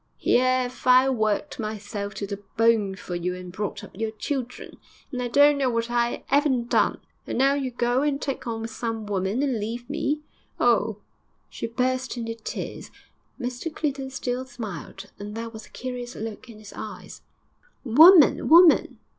Here 'ave I worked myself to the bone for you and brought up your children, and I don't know what I 'aven't done, and now you go and take on with some woman, and leave me. Oh!' She burst into tears. Mr Clinton still smiled, and there was a curious look in his eyes. 'Woman! woman!'